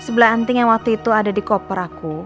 sebelah anting yang waktu itu ada di koper aku